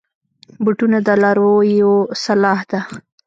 بوټونه د لارویو سلاح ده.